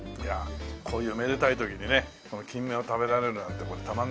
こういうめでたい時にね金目を食べられるなんてこれたまんないね。